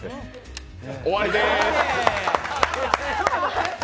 終わりでーす。